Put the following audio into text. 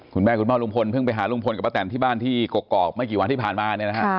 คุณแม่คุณม่อลุงพลเพิ่งไปหารุงพลกับประแต่นที่บ้านส์ไม่กี่วันที่ผ่านมา